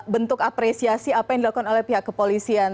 bentuk apresiasi apa yang dilakukan oleh pihak kepolisian